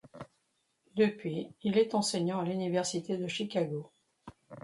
Depuis, il est enseignant à l'Université de Chicago.